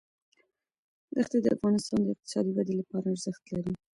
ښتې د افغانستان د اقتصادي ودې لپاره ارزښت لري.